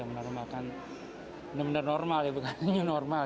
menormalkan benar benar normal bukan hanya normal